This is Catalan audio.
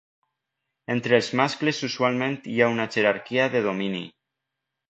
Entre els mascles usualment hi ha una jerarquia de domini.